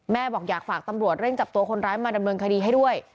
บอกอยากฝากตำรวจเร่งจับตัวคนร้ายมาดำเนินคดีให้ด้วย